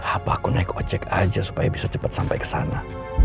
apa aku naik ojek aja supaya bisa cepat sampai ke sana